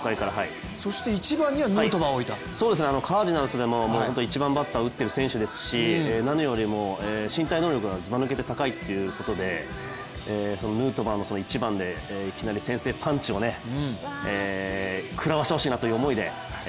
１番にはヌートバーを置いたカージナルスでも１番を打っている選手ですし、何よりも身体能力がずば抜けて高いということでヌートバーが１番でいきなり先制パンチを食らわしてほしいなという思いで。